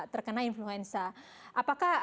terkena influenza apakah